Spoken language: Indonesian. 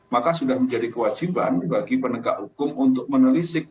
maka sudah menjadi kewajiban bagi penegak hukum untuk menelisik